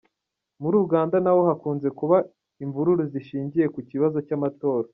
Muri Uganda naho hakunze kuba imvururu zishingiye ku kibazo cy’amatora.